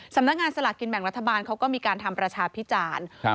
สำนักงานสลากกินแบ่งรัฐบาลเขาก็มีการทำประชาพิจารณ์ครับ